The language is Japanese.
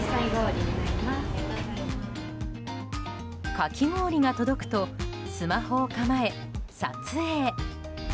かき氷が届くとスマホを構え、撮影。